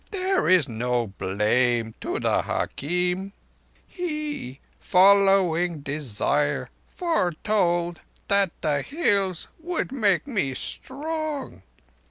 There is no blame to the hakim. He—following Desire—foretold that the Hills would make me strong.